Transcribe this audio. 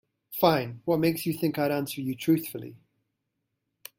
Fine, what makes you think I'd answer you truthfully?